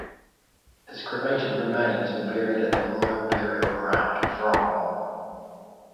His cremated remains were buried at the Royal Burial Ground, Frogmore.